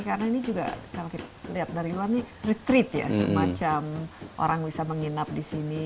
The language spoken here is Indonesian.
karena ini juga kalau kita lihat dari luar ini retreat ya semacam orang bisa menginap di sini